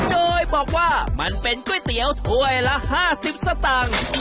โดยบอกว่ามันเป็นก๋วยเตี๋ยวถ้วยละ๕๐สตางค์